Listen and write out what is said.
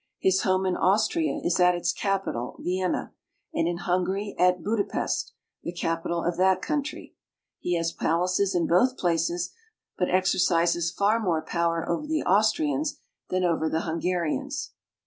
His home in Austria is at its capital, Vienna, and in Hungary at Buda pest (boo'do pest), the capital of that country. He has palaces in both places, but exercises far more power over the Austrians than over the Hungarians.